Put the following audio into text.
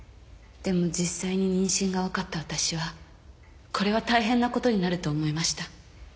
でも実際に妊娠が分かった私はこれは大変なことになると思いました。